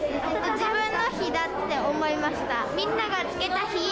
自分の火だって思いました。